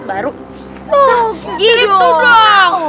baru susah gitu dong